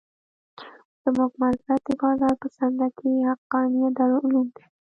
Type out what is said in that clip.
زموږ مرکز د بازار په څنډه کښې حقانيه دارالعلوم دى.